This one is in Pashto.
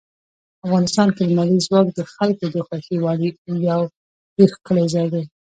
افغانستان کې لمریز ځواک د خلکو د خوښې وړ یو ډېر ښکلی ځای دی.